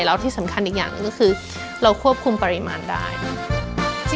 แล้วที่สำคัญอีกอย่างหนึ่งก็คือเราควบคุมปริมาณได้